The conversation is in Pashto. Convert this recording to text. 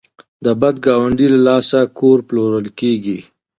د بد ګاونډي له لاسه کور پلورل کیږي.